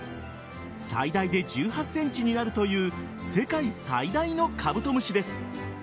最大で１８ｃｍになるという世界最大のカブトムシです。